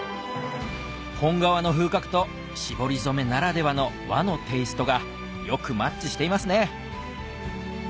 本革の風格と絞り染めならではの和のテイストがよくマッチしていますね